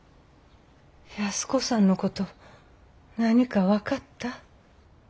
安子さんのこと何か分かった？